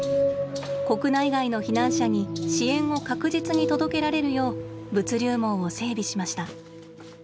国内外の避難者に支援を確実に届けられるよう物流網を整備しました。